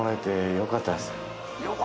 よかったですよ。